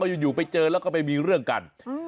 อยู่ไปเจอแล้วก็ไปมีเรื่องกัน